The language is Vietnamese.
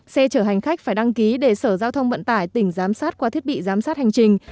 xe chở hành khách phải đăng ký để sở giao thông vận tải tỉnh giám sát qua thiết bị giám sát hành trình